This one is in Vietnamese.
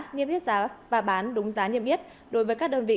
nghiêm yết giá và bán đúng giá nghiêm yết đối với các đơn vị